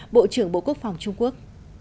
bộ trưởng bộ quốc phòng trung quốc